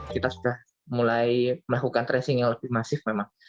kita sudah mulai melakukan tracing yang lebih masif memang